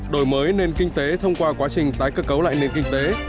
đổi mới nền kinh tế thông qua quá trình tái cơ cấu lại nền kinh tế